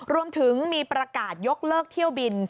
รวมถึงมีประกาศยกเลิกเที่ยวบิน